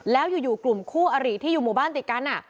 แล้วอยู่กลุ่มคู่อริที่อยู่หมู่บ้านติดกัน